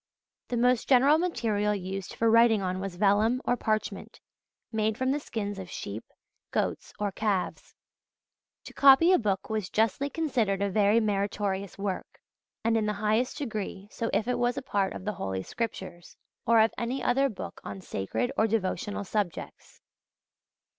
The most general material used for writing on was vellum or parchment, made from the skins of sheep, goats, or calves. To copy a book was justly considered a very meritorious work, and in the highest degree so if it was a part of the Holy Scriptures, or of any other book on sacred or devotional subjects.